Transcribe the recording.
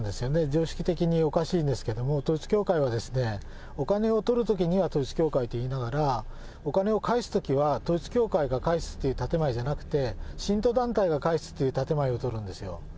常識的におかしいんですけども、統一教会はお金を取るときには統一教会といいながら、お金を返すときは統一教会が返すという建前じゃなくて、信徒団体が返すって建前を取るんですよ。